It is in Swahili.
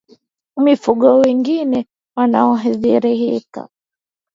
Mifugo wengine wanaoathiriwa